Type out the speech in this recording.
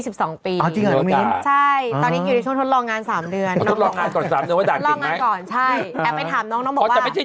อ๋อจริงเหรอน้องมีนใช่ตอนนี้อยู่ในช่วงทดลองงาน๓เดือน